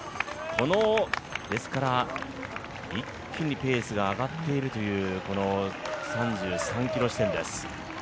この一気にペースを上がっているという３３ｋｍ地点です。